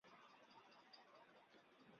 管蠕虫红色的羽状组织中含有血红蛋白。